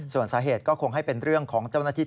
ส่วนสาเหตุก็คงให้เป็นเรื่องของเจ้าหน้าที่